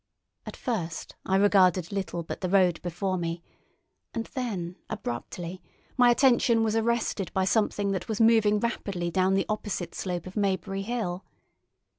At first I regarded little but the road before me, and then abruptly my attention was arrested by something that was moving rapidly down the opposite slope of Maybury Hill.